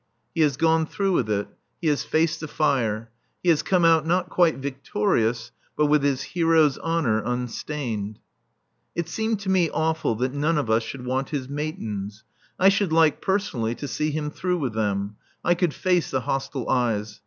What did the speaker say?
He has gone through with it. He has faced the fire. He has come out, not quite victorious, but with his hero's honour unstained. It seemed to me awful that none of us should want his Matins. I should like, personally, to see him through with them. I could face the hostile eyes.